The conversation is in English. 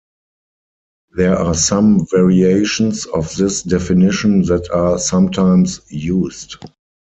There are some variations of this definition that are sometimes used.